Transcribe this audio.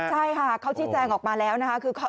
ใช่ค่ะเค้าที่แจ้งออกมาแล้วนะครับ